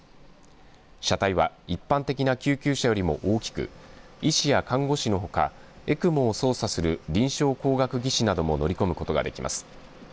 車体は一般的な救急車よりも大きく医師や看護師のほかＥＣＭＯを操作する臨床工学技士なども乗り込むことができます。